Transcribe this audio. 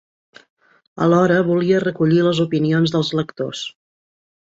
Alhora volia recollir les opinions dels lectors.